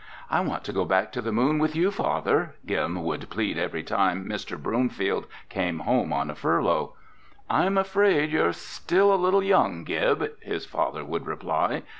"I want to go back to the Moon with you, Father," Gib would plead every time Mr. Bromfield came home on a furlough. "I'm afraid you're still a little young, Gib," his father would reply.